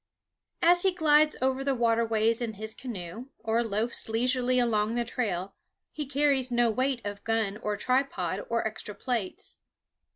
As he glides over the waterways in his canoe, or loafs leisurely along the trail, he carries no weight of gun or tripod or extra plates.